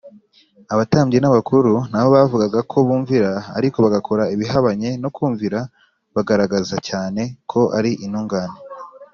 abatambyi n’abakuru na bo bavugaga ko bumvira, ariko bagakora ibihabanye no kumvira bagaragazaga cyane ko ari intungane